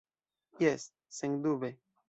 Jes, sendube.